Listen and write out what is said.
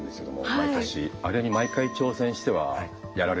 あれに毎回挑戦してはやられるんですけども。